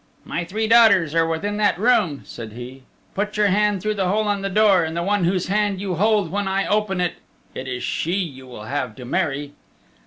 "My three daughters are within that room," said he. "Put your hand through the hole in the door, and the one whose hand you hold when I open it it is she you will have to marry."